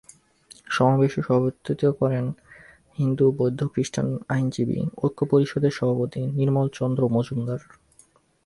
সমাবেশে সভাপতিত্ব করেন হিন্দু বৌদ্ধ খ্রিষ্টান আইনজীবী ঐক্য পরিষদের সভাপতি নির্মল চন্দ্র মজুমদার।